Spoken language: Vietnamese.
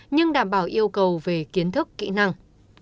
nhưng đảm bảo yêu cầu về kiến thức kỹ năng